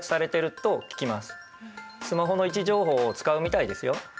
スマホの位置情報を使うみたいですよ。